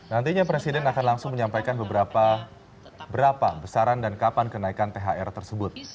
nantinya presiden akan langsung menyampaikan beberapa besaran dan kapan kenaikan thr tersebut